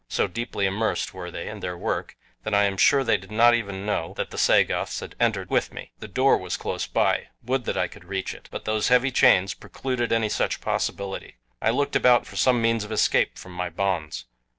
So deeply immersed were they in their work that I am sure they did not even know that the Sagoths had entered with me. The door was close by. Would that I could reach it! But those heavy chains precluded any such possibility. I looked about for some means of escape from my bonds.